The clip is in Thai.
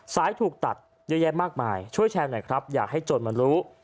สายถูกตัดเยอะแยะมากมายช่วยแชร์หน่อยครับอยากให้โจรมันรู้